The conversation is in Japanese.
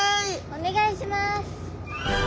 お願いします！